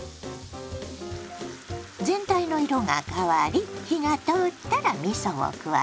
全体の色が変わり火が通ったらみそを加えます。